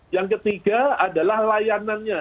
yang ketiga adalah layanannya